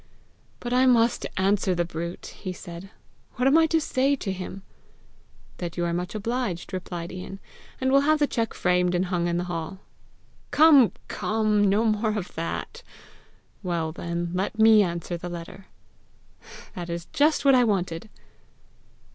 "But I must answer the brute!" he said. "What am I to say to him?" "That you are much obliged," replied Ian, "and will have the cheque framed and hung in the hall." "Come, come! no more of that!" "Well, then, let me answer the letter." "That is just what I wanted!"